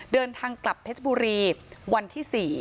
เดินทางกลับเพชรบุรีวันที่๔